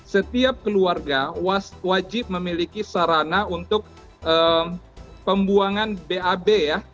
setiap keluarga wajib memiliki sarana untuk pembuangan bab ya